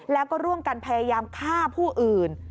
แล้วก็ร่วมกันพยายามฆ่าผู้อื่น